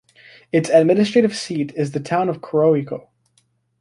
Its administrative seat is the town of Coroico.